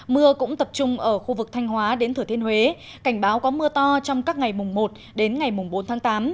mưa cũng tập trung ở khu vực thanh hóa đến thử thiên huế cảnh báo có mưa to trong các ngày mùng một đến ngày mùng bốn tháng tám